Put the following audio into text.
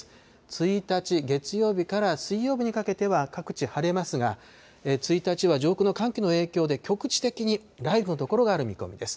１日月曜日から水曜日にかけては各地晴れますが、１日は上空の寒気の影響で局地的に雷雨の所がある見込みです。